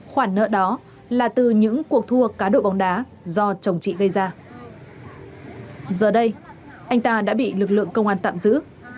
khoản nợ đó là từ những cuộc thua cá độ bóng đá do chồng chị gây ra giờ đây anh ta đã bị lực lượng công an tạm giữ